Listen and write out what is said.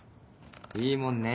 いいもんね